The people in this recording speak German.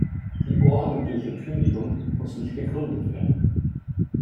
Die ordentliche Kündigung muss nicht begründet werden.